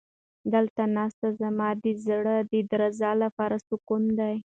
دلته ناسته زما د زړه د درزا لپاره سکون دی.